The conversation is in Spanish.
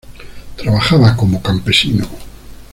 Trabajaba como campesino.